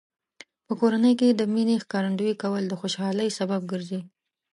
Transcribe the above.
په کورنۍ کې د مینې ښکارندوی کول د خوشحالۍ سبب ګرځي.